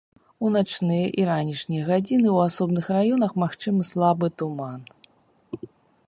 У начныя і ранішнія гадзіны ў асобных раёнах магчымы слабы туман.